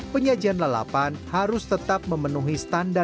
penyajian lalapan harus tetap memenuhi standar